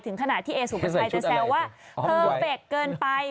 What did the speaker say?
ขณะที่เอสุภาชัยจะแซวว่าเพอร์เฟคเกินไป